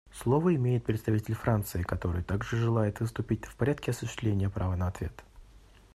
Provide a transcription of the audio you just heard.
Слово имеет представитель Франции, который также желает выступить в порядке осуществления права на ответ.